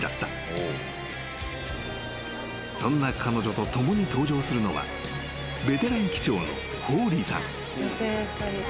［そんな彼女と共に搭乗するのはベテラン機長のホーリーさん］